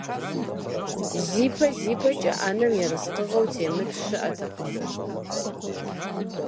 Зипэ-зипэкӏэ ӏэнэм ерыскъыгъуэу темыт щыӏэтэкъым.